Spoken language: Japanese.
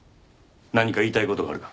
何か言いたい事はあるか？